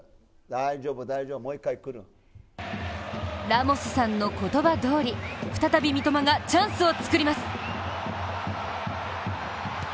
ラモスさんの言葉どおり、再び三笘がチャンスを作ります。